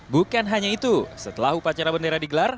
bukan hanya itu setelah upacara bendera digelar